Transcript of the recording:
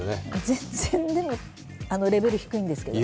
全然でもレベル低いんですけど。